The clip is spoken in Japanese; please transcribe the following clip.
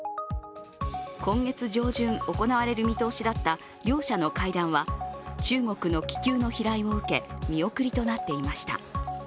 今月上旬、行われる見通しだった両者の会談は中国の気球の飛来を受け見送りとなっていました。